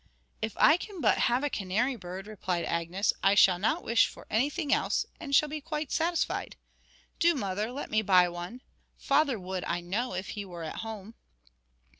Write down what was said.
'If I can but have a canary bird,' replied Agnes, 'I shall not wish for anything else, and shall be quite satisfied. Do, mother, let me buy one. Father would, I know, if he were at home.'